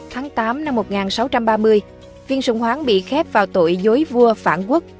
tháng tám năm một nghìn sáu trăm ba mươi viên sùng hoáng bị khép vào tội dối vua phản quốc